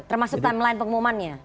termasuk timeline pengumumannya